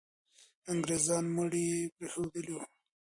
انګریزان مړي پرېښودلي وو.